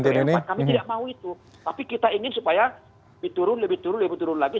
tapi tidak mau itu tapi kita ingin supaya diturun lebih turun lebih turun lagi